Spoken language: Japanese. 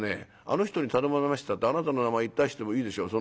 『あの人に頼まれました』ってあなたの名前出してもいいでしょう。